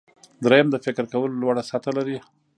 دریم د فکر کولو لوړه سطحه لري.